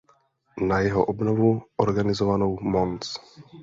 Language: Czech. Na jeho obnovu organizovanou Mons.